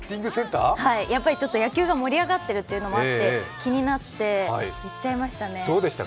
やっぱり野球が盛り上がってるというのもあって、気になって行っちゃいましたね。